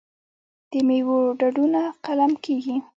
د میوو ډډونه قلم کیږي.